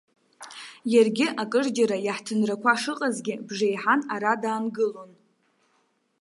Иаргьы акырџьара иаҳҭынрақәа шыҟазгьы, бжеиҳан ара даангылон.